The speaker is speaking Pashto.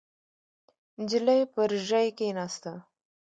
نجلۍ پر ژۍ کېناسته.